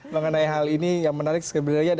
mengenai hal ini yang menarik sebenarnya adalah